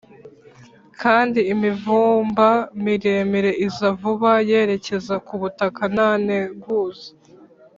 kandi imivumba miremire iza vuba yerekeza ku butaka nta nteguza.